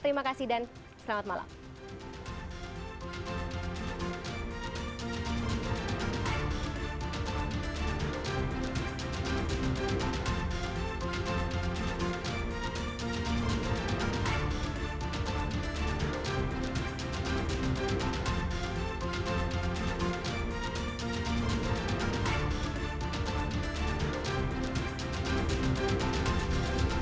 terima kasih dan selamat malam